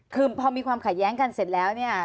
คือพอมีความขัดแย้งกันเสร็จแล้วเนี่ย